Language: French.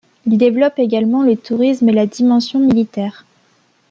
Il développe également le tourisme et la dimension militaire.